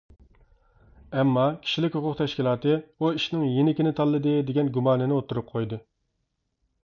ئەمما، كىشىلىك ھوقۇق تەشكىلاتى ئۇ ئىشنىڭ يېنىكىنى تاللىدى دېگەن گۇمانىنى ئوتتۇرىغا قويدى.